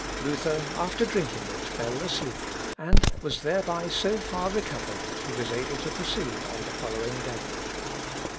Luther, after drinking it, fell asleep, and was thereby so far recovered that he was able to proceed on the following day.